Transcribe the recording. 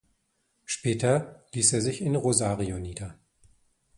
Später ließ er sich in Rosario nieder.